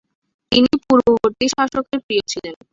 তিনি পূর্ববর্তী শাসকের প্রিয় ছিলেন।